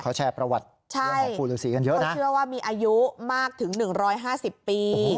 เขาแชร์ประวัติใช่ของผู้ฤษีกันเยอะนะเขาเชื่อว่ามีอายุมากถึงหนึ่งร้อยห้าสิบปี